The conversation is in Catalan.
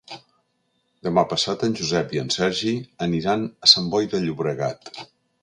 Demà passat en Josep i en Sergi aniran a Sant Boi de Llobregat.